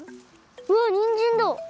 うわにんじんだ！